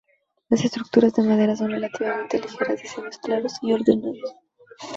Las estructuras de madera son relativamente ligeras, diseño claros y ordenados.